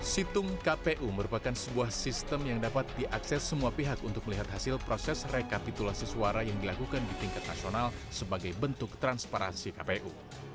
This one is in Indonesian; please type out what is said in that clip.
situng kpu merupakan sebuah sistem yang dapat diakses semua pihak untuk melihat hasil proses rekapitulasi suara yang dilakukan di tingkat nasional sebagai bentuk transparansi kpu